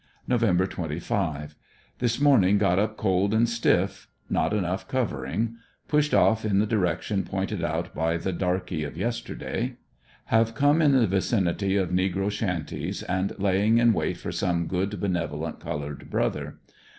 Nov. 25.— This morning got up cold and stiff; not enough cover ing. Pushed off in the direction pointed out by the darkey of yes terday. Have come in the vicinity of negro shanties and laying in wait for some good benevolent colored brother.